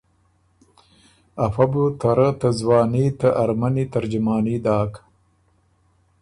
افۀ بو ته رۀ ته ځواني ته ارمنی ترجماني داک۔